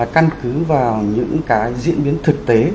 căn cứ vào những cái diễn biến thực tế